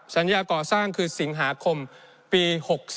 สัญญาก่อสร้างคือสิงหาคมปี๖๔